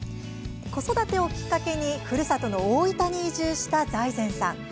子育てをきっかけにふるさとの大分に移住した財前さん。